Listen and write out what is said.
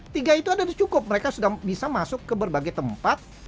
tiga itu ada cukup mereka sudah bisa masuk ke berbagai tempat